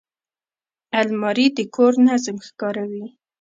الماري د کور نظم ښکاروي